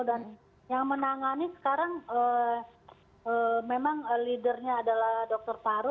dan yang menangani sekarang memang leadernya adalah dokter paru